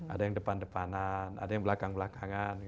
ada yang depan depanan ada yang belakang belakangan